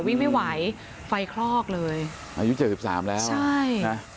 วิ่งไม่ไหวไฟคลอกเลยอายุเจ็ดสิบสามแล้วใช่นะ